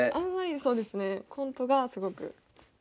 そうですねコントがすごく好きです。